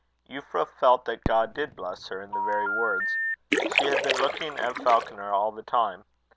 Euphra felt that God did bless her in the very words. She had been looking at Falconer all the time.